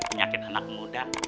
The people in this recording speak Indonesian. penyakit anak muda